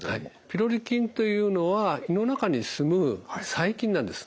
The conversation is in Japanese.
ピロリ菌というのは胃の中に住む細菌なんです。